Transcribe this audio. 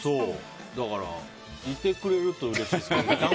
だから、いてくれるとうれしいですけど。